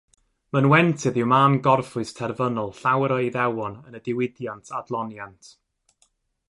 Mynwentydd yw man gorffwys terfynol llawer o Iddewon yn y diwydiant adloniant.